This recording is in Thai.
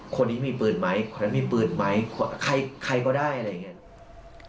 คนนี้มีปืนไหมคนนั้นมีปืนไหมใครก็ได้อะไรอย่างนี้